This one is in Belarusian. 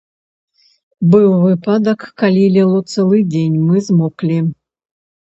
Быў выпадак, калі ліло цэлы дзень, мы змоклі.